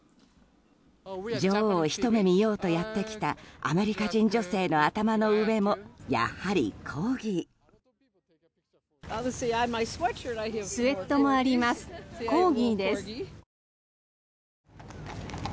女王をひと目見ようとやってきたアメリカ人女性の頭の上もやはり、コーギー。